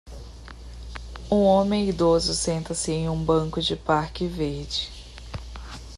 Um homem idoso senta-se em um banco de parque verde.